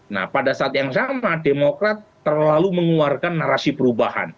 nah pada saat yang sama demokrat terlalu mengeluarkan narasi perubahan